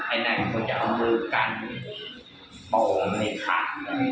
ไอ้นายต้องจะเอามือกันโอ้มันเนี่ยขาด